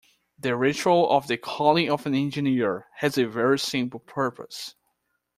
The Ritual of the Calling of an Engineer has a very simple purpose.